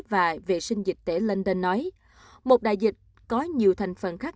và vệ sinh dịch tế london nói một đại dịch có nhiều thành phần khác